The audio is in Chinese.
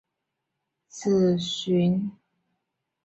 子荀逝敖。